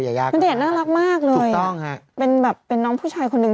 คุณเดชน่ารักมากเลยถูกต้องฮะเป็นแบบเป็นน้องผู้ชายคนหนึ่ง